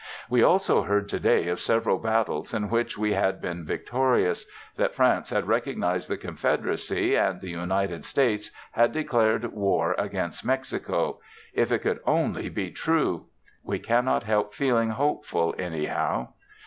We also heard to day of several battles in which we had been victorious; that France had recognized the Confederacy and the United States had declared war against Mexico, if it could only be true! We cannot help feeling hopeful anyhow.